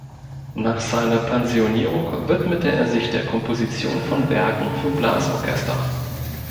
Nach seiner Pensionierung widmete er sich der Komposition von Werken für Blasorchester.